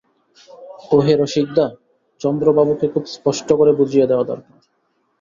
ওহে রসিকদা, চন্দ্রবাবুকে খুব স্পষ্ট করে বুঝিয়ে দেওয়া দরকার।